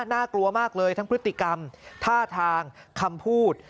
น่ากลัวมากเลยทั้งพฤติกรรมท่าทางคำพูด